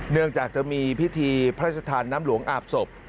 เนื่องจากจะมีพิธีพระสถานน้ำหลวงอาบศพ